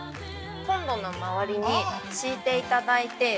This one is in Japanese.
コンロの回りに敷いていただいて。